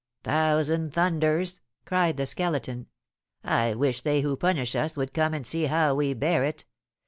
"Thousand thunders!" cried the Skeleton. "I wish they who punish us would come and see how we bear it.